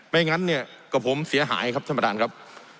งั้นเนี่ยกับผมเสียหายครับท่านประธานครับ